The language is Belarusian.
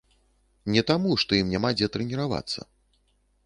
Не таму, што ім няма дзе трэніравацца.